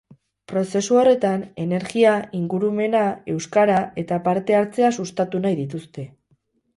Prozesu horretan, energia, ingurumena, euskara eta parte-hartzea sustatu nahi dituzte.